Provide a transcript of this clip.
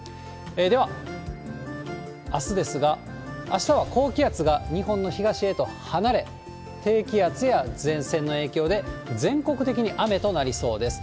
では、あすですが、あしたは高気圧が日本の東へと離れ、低気圧や前線の影響で、全国的に雨となりそうです。